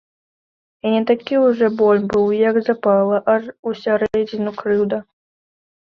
І не такі ўжо боль быў, як запала, аж усярэдзіну, крыўда.